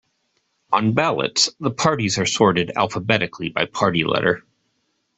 On ballots, the parties are sorted alphabetically by party letter.